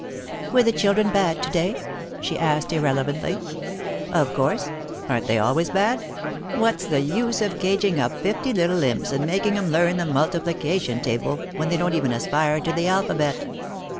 "Were the children bad to day?" she asked, irrelevantly. "Of course. Aren't they always bad? What's the use of caging up fifty little imps and making 'em learn the multiplication table when they don't even aspire to the alphabet?